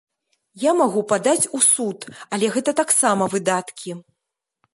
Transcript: Я магу падаць у суд, але гэта таксама выдаткі.